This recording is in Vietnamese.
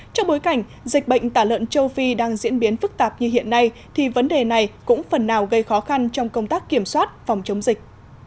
trong bối cảnh dịch bệnh tả lợn châu phi đang diễn biến phức tạp như hiện nay thì vấn đề này cũng phần nào gây khó khăn trong công tác kiểm soát phòng chống dịch